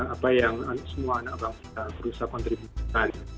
apa yang semua anak bangsa berusaha kontribusikan